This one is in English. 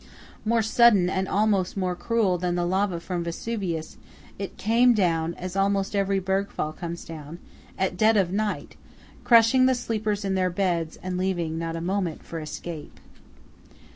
More sudden, and almost more cruel, than the lava from Vesuvius, it came down, as almost every bergfall comes down, at dead of night, crushing the sleepers in their beds and leaving not a moment for escape.